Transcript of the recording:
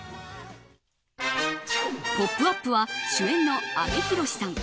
「ポップＵＰ！」は主演の阿部寛さん